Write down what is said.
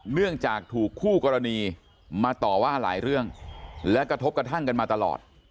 เนื่องจากถูกคู่กรณีมาต่อว่าหลายเรื่องและกระทบกระทั่งกันมาตลอด